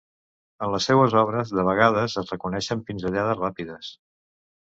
En les seues obres, de vegades, es reconeixen pinzellades ràpides.